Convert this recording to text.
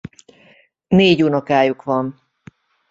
Négy unokájuk van.